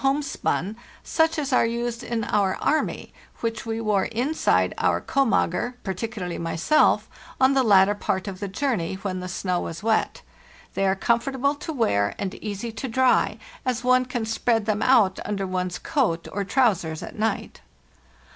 118 FARTHEST NORTH spun, such as are used in our army, which we wore inside our "komager" (particularly myself) on the latter part of the journey, when the snow was wet. They are comfort able to wear and easy to dry, as one can spread them out under one's coat or trousers at night.